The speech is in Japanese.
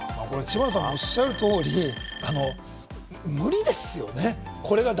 知花さんがおっしゃる通り、無理ですよね。